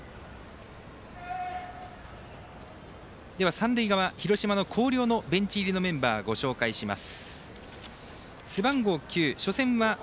三塁側、広島の広陵のベンチ入りのメンバーをご紹介します。